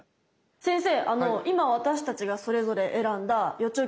先生